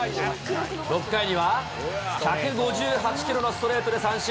６回には１５８キロのストレートで三振。